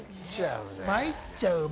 参っちゃうね。